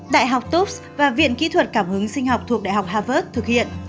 đại học tops và viện kỹ thuật cảm hứng sinh học thuộc đại học harvard thực hiện